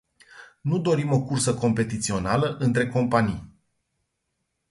Nu dorim o cursă competițională între companii.